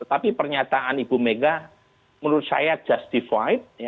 tapi pernyataan ibu mega menurut saya justified